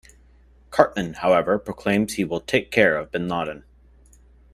Cartman, however, proclaims he will "take care" of Bin Laden.